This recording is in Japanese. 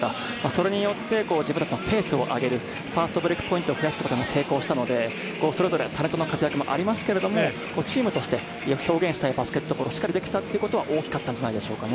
それによって自分たちのペースを上げるファストブレイクポイントを増やすことに成功したので、それぞれタレントの活躍もありますが、チームとして表現したいバスケットボール、しっかりできたことは大きかったんじゃないでしょうか。